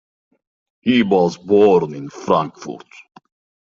He was born in Frankfurt.